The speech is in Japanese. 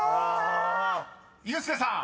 ［ユースケさん